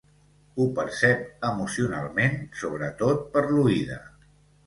Ho percep emocionalment, sobretot per l'oïda.